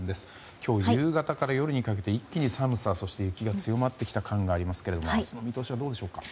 今日夕方から夜にかけて一気に寒さと雪が強まってきた感がありますが明日の見通しはどうですか。